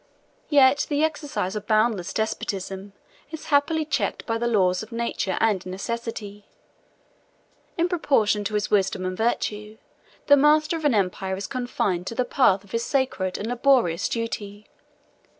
Yet the exercise of boundless despotism is happily checked by the laws of nature and necessity. In proportion to his wisdom and virtue, the master of an empire is confined to the path of his sacred and laborious duty.